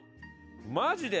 マジで？